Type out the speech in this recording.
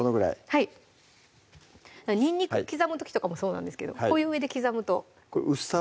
はいにんにく刻む時とかもそうなんですけどこういう上で刻むとこれ薄さは？